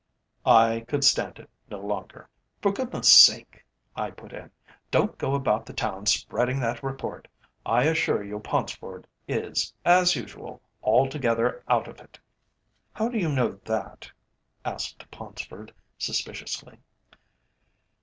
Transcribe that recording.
I could stand it no longer. "For goodness sake," I put in, "don't go about the town spreading that report. I assure you Paunceford is, as usual, altogether out of it." "How do you know that?" asked Paunceford suspiciously.